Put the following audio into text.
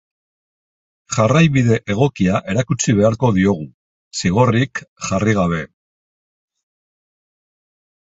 Jarraibide egokia erakutsi beharko diogu, zigorrik jarri gabe.